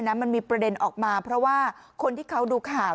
มันมีประเด็นออกมาเพราะว่าคนที่เขาดูข่าว